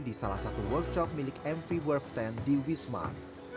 di salah satu workshop milik mv world sepuluh di wisman